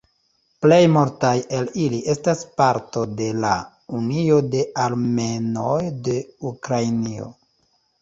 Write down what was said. Plej multaj el ili estas parto de la "Unio de Armenoj de Ukrainio".